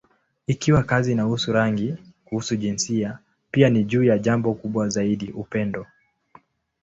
Ikiwa kazi inahusu rangi, kuhusu jinsia, pia ni juu ya jambo kubwa zaidi: upendo.